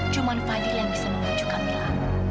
cuman fadil yang bisa mengacu kamilah